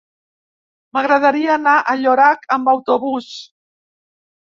M'agradaria anar a Llorac amb autobús.